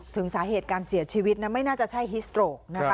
ถึงสาเหตุการเสียชีวิตไม่น่าจะใช่ฮิสโตรกนะคะ